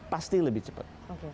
pasti lebih cepat